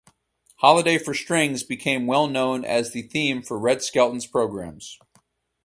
"Holiday for Strings" became well known as the theme for Red Skelton's programs.